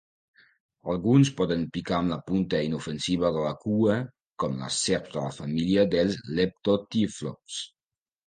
Alguns poden picar amb la punta inofensiva de la cua, com les serps de la família dels Leptotyphlops.